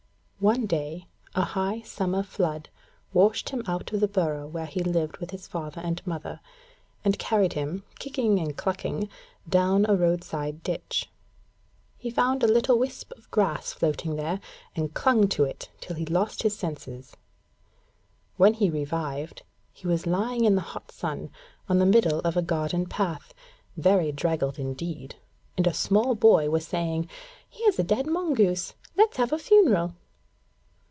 _' One day, a high summer flood washed him out of the burrow where he lived with his father and mother, and carried him, kicking and clucking, down a roadside ditch. He found a little wisp of grass floating there, and clung to it till he lost his senses. When he revived, he was lying in the hot sun on the middle of a garden path, very draggled indeed, and a small boy was saying: 'Here's a dead mongoose. Let's have a funeral.'